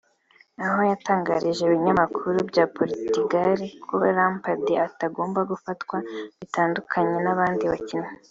aho yatangarije ibinyamakuru bya Poritigale ko Lampard atagomba gufatwa bitandukanye n’abandi bakinnyi